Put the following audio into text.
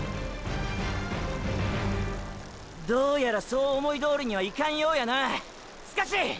どうやらそう思いどおりにはいかんようやなスカシ！！